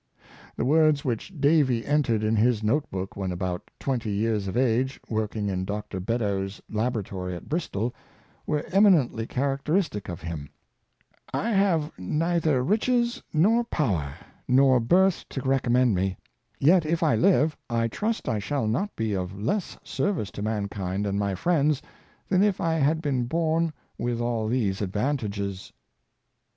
The words which Davy entered in his note book when about twenty years of age, working in Dr. Beddoes labor atory at Bristol, were eminently characteristic of him : "I have neither riches, nor power, nor birth to recom mend me; yet, if Hive, I trust I shall not be of less ser vice to mankind and my friends, than if I had been born with all these advantages."